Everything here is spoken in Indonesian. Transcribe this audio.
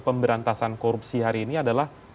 pemberantasan korupsi hari ini adalah